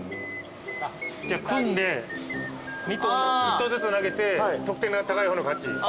じゃあ組んで１投ずつ投げて得点が高い方の勝ち。